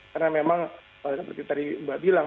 karena memang seperti tadi mbak bilang